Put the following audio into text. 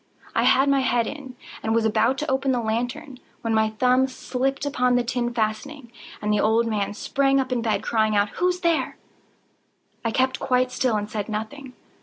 I had my head in, and was about to open the lantern, when my thumb slipped upon the tin fastening, and the old man sprang up in bed, crying out—"Who's there?" I kept quite still and said nothing.